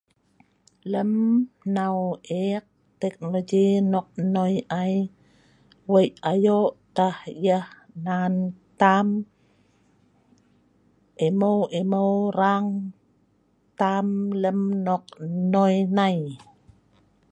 Lem hnau eek teknoloji nok nnoi ai wei ayo' tah yeh nan tam emeu emeu rang tam lem nok nnoi nai.